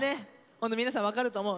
皆さん分かると思う。